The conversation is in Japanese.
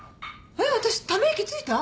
えっ私ため息ついた？